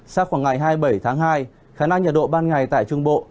sao khoảng ngày hai mươi bảy tháng hai khả năng nhiệt độ ban ngày tại trung bộ